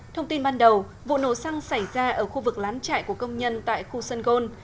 thông tin ban đầu vụ nổ xăng xảy ra ở khu vực lán trại của công nhân tại khu sân gôn